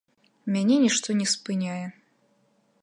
Мяне нішто не спыняе.